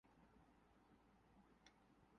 شخصی تعمیر سے ہمیں اجتماعی تعمیر کی طرف بڑھنا ہے۔